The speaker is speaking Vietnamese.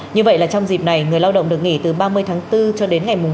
như vậy là trong dịp này người lao động được nghỉ từ ba mươi tháng bốn cho đến ngày mùng